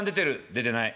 「出てない」。